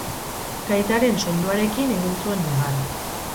Gaitaren soinuarekin egin zuen negar.